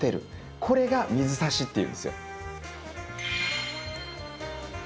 これが水挿しっていうんですよ。